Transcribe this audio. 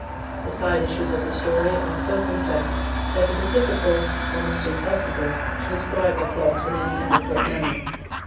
The side issues of the story are so complex that it is difficult, almost impossible, to describe the plot in any adequate manner.